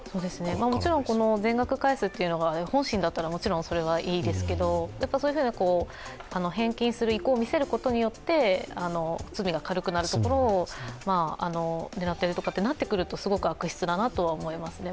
もちろん全額返すというのが本心だったらもちろんいいんですけど返金する意向を見せることによって罪が軽くなるところを狙っているとかなってくるとすごく悪質だとは思いますね。